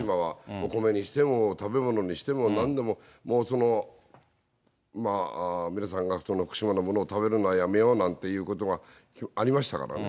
お米にしても、食べ物にしても、なんでも、もう皆さんが福島のものを食べるのはやめようなんていうことがありましたからね。